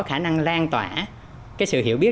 khả năng lan tỏa cái sự hiểu biết